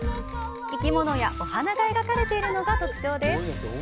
生き物やお花が描かれているのが特徴です。